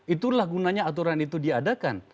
itulah gunanya aturan itu diadakan